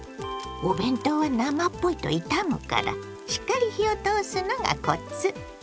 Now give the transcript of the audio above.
お弁当は生っぽいといたむからしっかり火を通すのがコツ。